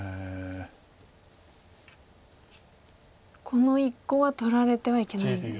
この１個は取られてはいけないんですか。